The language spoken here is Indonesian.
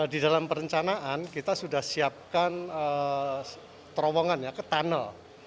di dalam perencanaan kita sudah siapkan terowongan ya ke tunnel